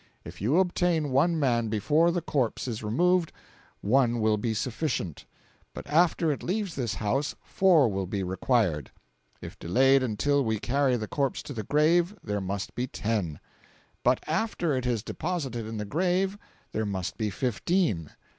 If you obtain one man before the corpse is removed, one will be sufficient; but after it leaves this house four will be required. If delayed until we carry the corpse to the grave there must be ten; but after it is deposited in the grave there must be fifteen.